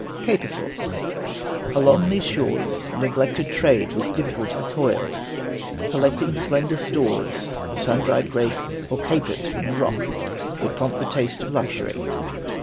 CAPER SAUCE. Along these shores Neglected trade with difficulty toils, Collecting slender stores; the sun dried grape, Or capers from the rock, that prompt the taste Of luxury.